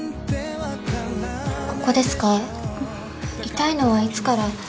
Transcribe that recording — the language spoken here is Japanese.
痛いのはいつから？